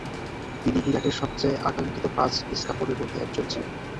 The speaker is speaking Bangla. তিনি ইরাকের সবচেয়ে আকাঙ্ক্ষিত পাঁচ ইশকাপনের মধ্যে একজন ছিলেন।